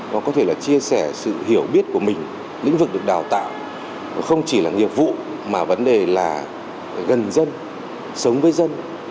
nó có thể là chia sẻ sự hiểu biết của mình lĩnh vực được đào tạo không chỉ là nghiệp vụ mà vấn đề là gần dân sống với dân